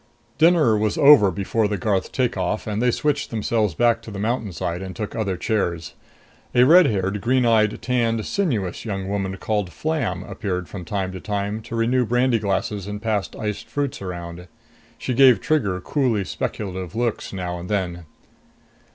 Dinner was over before the Garth take off, and they switched themselves back to the mountainside and took other chairs. A red haired, green eyed, tanned, sinuous young woman called Flam appeared from time to time to renew brandy glasses and pass iced fruits around. She gave Trigger coolly speculative looks now and then.